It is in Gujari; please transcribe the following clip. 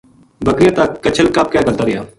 بکریاں تا کَچھل کَپ کے گھَلتا رہیا